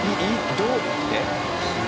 どうやって？